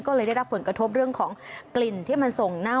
ก็เลยได้รับผลกระทบเรื่องของกลิ่นที่มันส่งเน่า